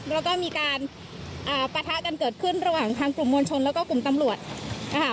แล้วก็มีการอ่าปะทะกันเกิดขึ้นระหว่างทางกลุ่มมวลชนแล้วก็กลุ่มตำรวจอ่า